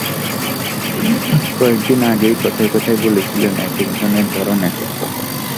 কয়েক দিন আগেই কথায় কথায় বলছিলেন, একেক জনের ধরন একেক রকম।